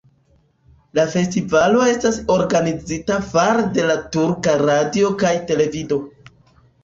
La festivalo estas organizata fare de la Turka Radio kaj Televido.